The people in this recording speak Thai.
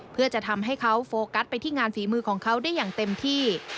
เพื่อจะทำให้เขาโฟกัสไปที่งานฝีมือของเขาได้อย่างเต็มที่